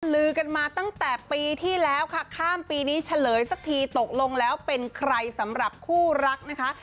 ลือกันมาตั้งแต่ปีที่แล้วค่ะข้ามปีนี้เฉลยสักทีตกลงแล้วเป็นใครสำหรับคู่รักนะคะ